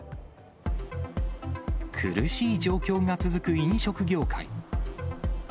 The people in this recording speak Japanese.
苦しい状況が続く飲食業界。